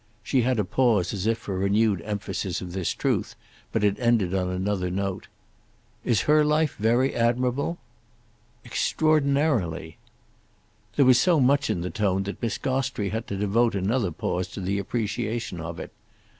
She had a pause as if for renewed emphasis of this truth, but it ended on another note. "Is her life very admirable?" "Extraordinarily." There was so much in the tone that Miss Gostrey had to devote another pause to the appreciation of it.